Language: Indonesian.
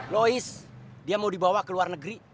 lois dia mau dibawa ke luar negeri